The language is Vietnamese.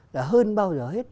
là hơn bao giờ hết